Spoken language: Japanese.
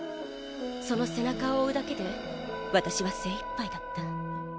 その背中を追うだけで私は精いっぱいだった。